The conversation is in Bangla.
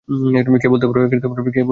কে বলতে পারবে?